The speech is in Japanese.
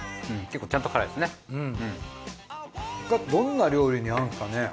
これどんな料理に合うんですかね？